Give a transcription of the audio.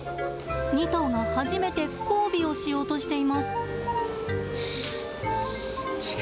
２頭が初めて交尾をしようとしています。